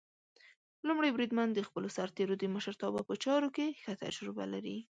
لومړی بریدمن د خپلو سرتېرو د مشرتابه په چارو کې ښه تجربه لري.